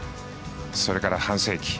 それから半世紀。